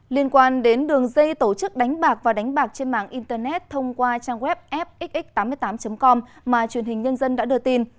liên quan đến đường dây tổ chức đánh bạc và đánh bạc trên mạng internet thông qua trang web fxx tám mươi tám com mà truyền hình nhân dân đã đưa tin